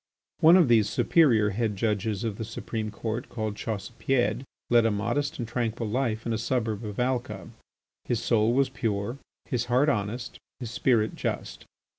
One of these superior red Judges of the Supreme Court, called Chaussepied, led a modest and tranquil life in a suburb of Alca. His soul was pure, his heart honest, his spirit just.